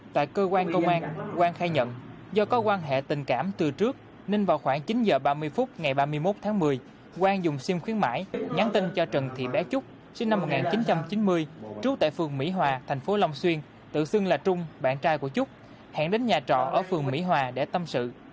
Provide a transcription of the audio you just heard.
tại cơ quan công an quang khai nhận do có quan hệ tình cảm từ trước nên vào khoảng chín h ba mươi phút ngày ba mươi một tháng một mươi quang dùng sim khuyến mãi nhắn tin cho trần thị bé trúc sinh năm một nghìn chín trăm chín mươi trú tại phường mỹ hòa thành phố long xuyên tự xưng là trung bạn trai của trúc hẹn đến nhà trọ ở phường mỹ hòa để tâm sự